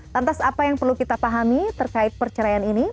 lantas apa yang perlu kita pahami terkait perceraian ini